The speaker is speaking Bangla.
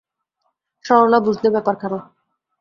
সরলা বুঝলে ব্যাপারখানা।